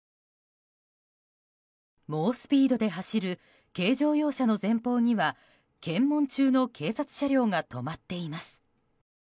猛スピードで走る軽乗用車の前方には検問中の警察車両が止まっています。